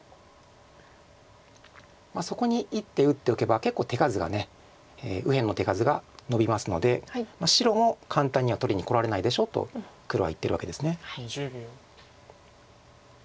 そこに一手打っておけば結構手数が右辺の手数がのびますので白も簡単には取りにこられないでしょと黒は言ってるわけです。